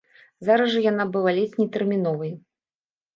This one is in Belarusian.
Зараз жа яна была ледзь не тэрміновай.